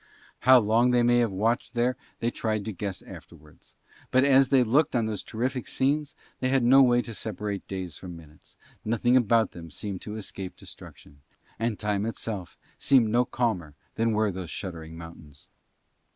How long they may have watched there they tried to guess afterwards, but as they looked on those terrific scenes they had no way to separate days from minutes: nothing about them seemed to escape destruction, and time itself seemed no calmer than were those shuddering mountains.